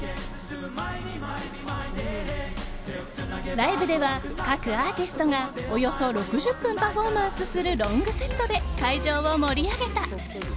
ライブでは、各アーティストがおよそ６０分パフォーマンスするロングセットで会場を盛り上げた。